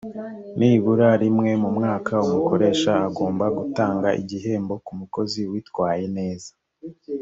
nibura rimwe mu mwaka umukoresha agomba gutanga igihembo ku mukozi witwaye neza